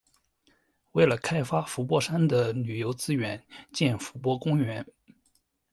为了开发伏波山的旅游资源建伏波公园。